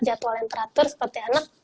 jadwal yang teratur seperti anak